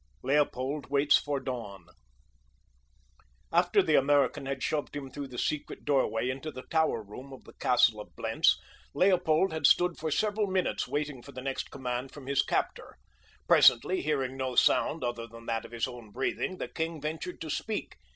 LEOPOLD WAITS FOR DAWN After the American had shoved him through the secret doorway into the tower room of the castle of Blentz, Leopold had stood for several minutes waiting for the next command from his captor. Presently, hearing no sound other than that of his own breathing, the king ventured to speak.